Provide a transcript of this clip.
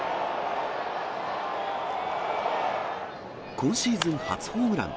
今シーズン初ホームラン。